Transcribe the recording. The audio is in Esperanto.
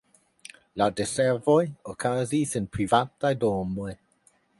La diservoj okazis en privataj domoj.